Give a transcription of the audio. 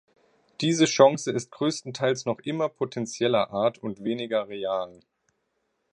Diese Chance ist größtenteils noch immer potenzieller Art und weniger real.